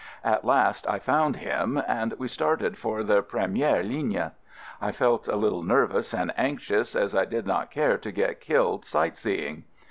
At last I found him and we started for the "premier ligne." I felt a little nervous and anxious, as I did not care to get killed sight seeing.